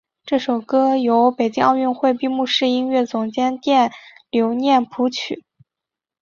这首歌由北京奥运会闭幕式音乐总监卞留念谱曲。